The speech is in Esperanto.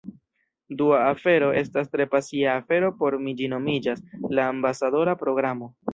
Dua afero, estas tre pasia afero por mi ĝi nomiĝas "La ambasadora programo"